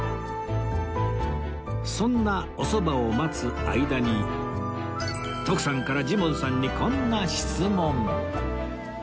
そんなおそばを待つ間に徳さんからジモンさんにこんな質問